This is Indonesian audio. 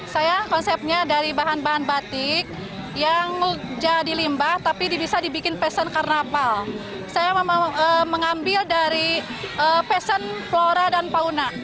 saya konsepnya dari bahan bahan batik yang jadi limbah tapi bisa dibikin passion carnaval saya mengambil dari fashion flora dan fauna